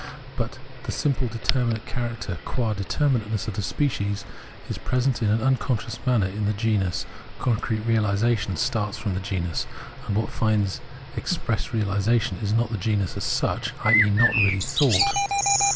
But the simple determinate character, qua determinateness of the species, is present in an un conscious manner in the genus; concrete realisation starts from the genus ; what finds express realisation is not the genus as such, i.e. not really thought.